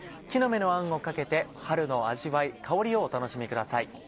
木の芽のあんをかけて春の味わい香りをお楽しみください。